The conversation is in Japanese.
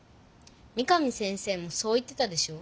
三上先生もそう言ってたでしょ。